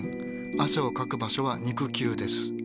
汗をかく場所は肉球です。